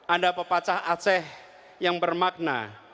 ada pepacah aceh yang bermakna